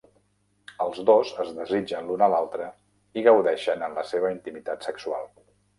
Els dos es desitgen l'un a l'altre i gaudeixen en la seva intimitat sexual.